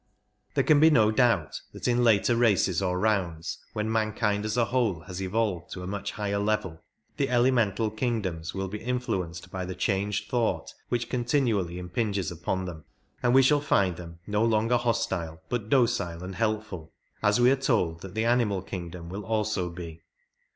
There can be no doubt that in later races or rounds, when mankind as a whole has evolved to a much higher level, the elemental kingdoms will be influenced by the changed thought which continually impinges upon them, and we shall find them no longer hostile, but docile and helpful, as we are told that the animal kingdom will also be.